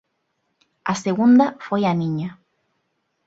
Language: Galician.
A segunda foi a Niña.